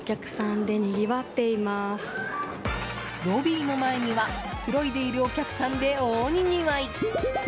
ロビーの前にはくつろいでいるお客さんで大にぎわい。